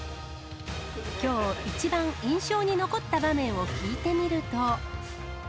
きょう、一番印象に残った場面を聞いてみると。